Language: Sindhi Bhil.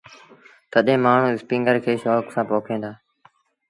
تڏهيݩ مآڻهوٚٚݩ اسپيٚنگر کي شوڪ سآݩ پوکيݩ دآ۔